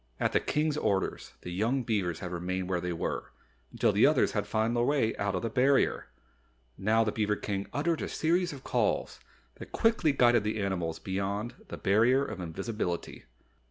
At the King's order, the young beavers had remained where they were, until the others had found their way out of the Barrier. Now the beaver King uttered a series of calls that quickly guided the animals beyond the Barrier of Invisibility.